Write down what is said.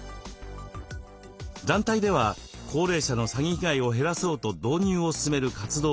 団体では高齢者の詐欺被害を減らそうと導入をすすめる活動を行っています。